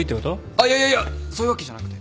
あっいやいやいやそういうわけじゃなくて。